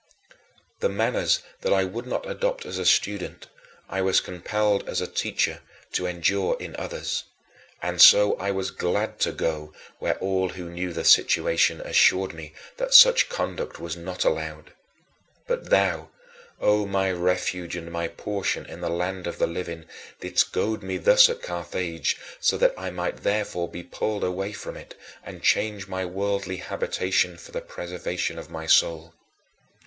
The manners that I would not adopt as a student I was compelled as a teacher to endure in others. And so I was glad to go where all who knew the situation assured me that such conduct was not allowed. But thou, "O my refuge and my portion in the land of the living," didst goad me thus at Carthage so that I might thereby be pulled away from it and change my worldly habitation for the preservation of my soul.